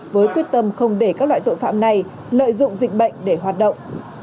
với quyết tâm không để các loại tội phạm này lợi dụng dịch bệnh để hoạt động